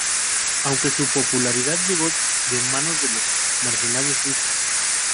Aunque su popularidad llegó de manos de los mercenarios suizos.